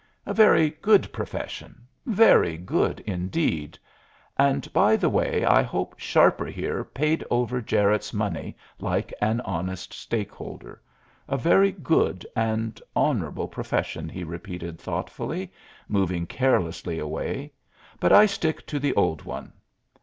"A very good profession very good, indeed; and, by the way, I hope Sharper here paid over Jarette's money like an honest stakeholder. A very good and honorable profession," he repeated, thoughtfully, moving carelessly away; "but I stick to the old one.